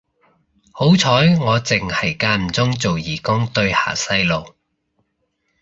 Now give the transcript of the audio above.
好彩我剩係間唔中做義工對下細路